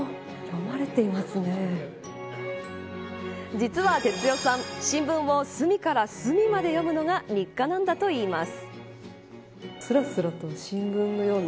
実は哲代さん新聞を隅から隅まで読むのが日課なんだといいます。